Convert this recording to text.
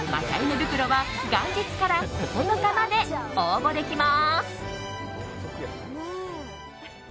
袋は元日から９日まで応募できます。